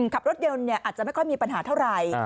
ขับรถยนต์อาจจะไม่ค่อยมีปัญหาเท่าไหร่